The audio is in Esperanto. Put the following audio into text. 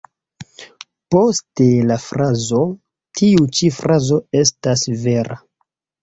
Poste la frazo ""Tiu ĉi frazo estas vera.